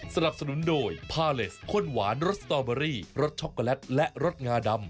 สนับสนุนโดยพาเลสข้นหวานรสสตอเบอรี่รสช็อกโกแลตและรสงาดำ